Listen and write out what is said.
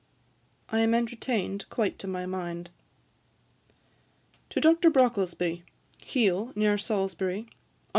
30. I am entertained quite to my mind.' 'To DR. BROCKLESBY. Heale, near Salisbury, Aug.